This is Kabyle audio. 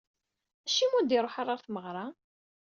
Acimi ur d-iruḥ ara ɣer tmeɣra?